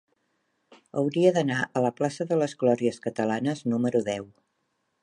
Hauria d'anar a la plaça de les Glòries Catalanes número deu.